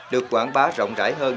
được quảng bá rộng rãi hơn